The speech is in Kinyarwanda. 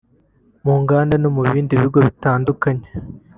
mu nganda no mu bindi bigo bitandukanye